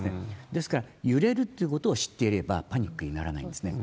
ですから、揺れるってことを知っていればパニックにならないんですね。